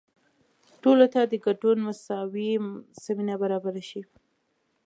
ټولو ته د ګډون مساوي زمینه برابره شي.